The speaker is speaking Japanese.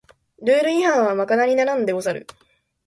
ルール違反はまかなりならんでござる